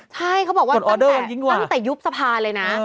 ใช่เขาบอกว่าตั้งแต่ยุบสภาเลยนะ